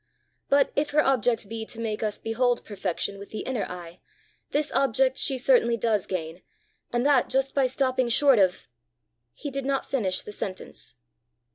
But if her object be to make us behold perfection with the inner eye, this object she certainly does gain, and that just by stopping short of " He did not finish the sentence.